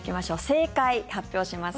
正解、発表します。